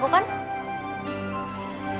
aku kan teringin